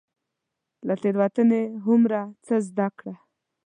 له تيروتني هرمروه څه زده کړه .